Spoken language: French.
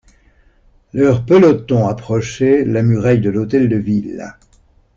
Leurs pelotons approchaient la muraille de l'Hôtel de Ville.